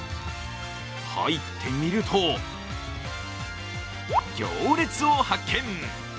入ってみると、行列を発見。